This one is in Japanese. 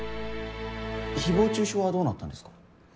誹謗中傷はどうなったんですか？